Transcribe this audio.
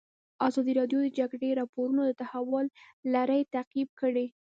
ازادي راډیو د د جګړې راپورونه د تحول لړۍ تعقیب کړې.